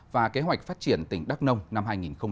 và kế hoạch phát triển tỉnh đắk nông năm hai nghìn hai mươi